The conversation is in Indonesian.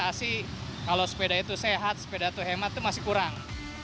sosialisasi kalau sepeda itu sehat sepeda itu hemat itu masih kurang